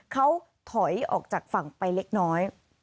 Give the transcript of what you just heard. เขาถอยออกจากฝั่งไปเล็กน้อย